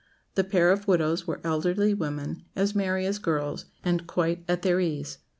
The pair of widows were elderly women, as merry as girls, and quite at their ease.